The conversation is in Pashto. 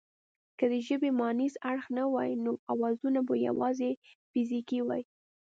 که د ژبې مانیز اړخ نه وای نو اوازونه به یواځې فزیکي وای